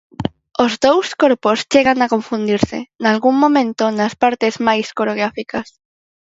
Os dous corpos chegan a confundirse, nalgún momento, nas partes máis coreográficas.